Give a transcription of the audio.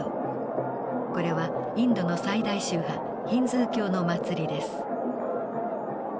これはインドの最大宗派ヒンズー教の祭りです。